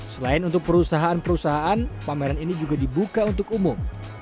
selain untuk perusahaan perusahaan pameran ini juga dibuka untuk umum